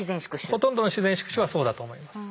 ほとんどの自然宿主はそうだと思います。